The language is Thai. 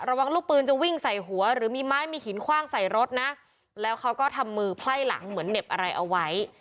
ระวังลูกปืนจะวิ่งใส่หัวหรือมีไม้มีหินคว่างใส่รถนะแล้วเขาก็ทำมือไพ่หลังเหมือนเหน็บอะไรเอาไว้